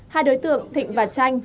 hai đối tượng thịnh và tranh